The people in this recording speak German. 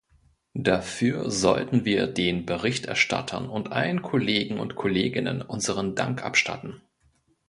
Dafür sollten wir den Berichterstattern und allen Kollegen und Kolleginnen unseren Dank abstatten.